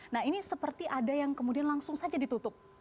nah ini seperti ada yang kemudian langsung saja ditutup